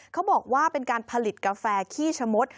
เขาบอกว่าเป็นการผลิตกาแฟขี้ชะมด